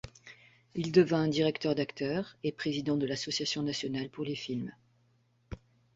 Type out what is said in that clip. Il devint directeur d'acteurs et président de l'Association nationale pour les films.